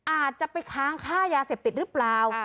อาจจะไปค้างค่ายาเสพติดหรือเปล่า